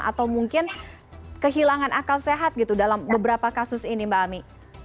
atau mungkin kehilangan akal sehat gitu dalam beberapa kasus ini mbak ami